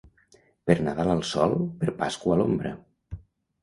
Per Nadal al sol, per Pasqua a l'ombra.